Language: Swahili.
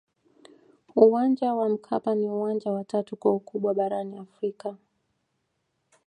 uwanja wa mkapa ni uwanja wa tatu kwa ukubwa barani afrika